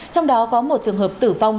trong đó có một trường hợp tử vong